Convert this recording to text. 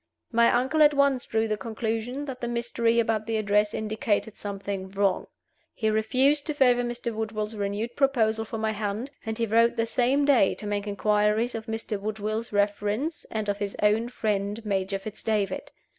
My uncle at once drew the conclusion that the mystery about the address indicated something wrong. He refused to favor Mr. Woodville's renewed proposal for my hand, and he wrote the same day to make inquiries of Mr. Woodville's reference and of his own friend Major Fitz David.